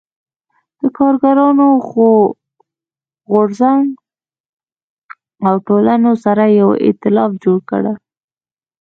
د کارګرانو غو رځنګ او ټولنو سره یو اېتلاف جوړ کړ.